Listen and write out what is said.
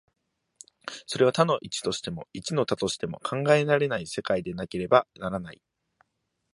それは多の一としても、一の多としても考えられない世界でなければならない。